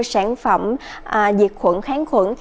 sản phẩm diệt khuẩn kháng khuẩn